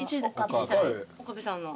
１台岡部さんの。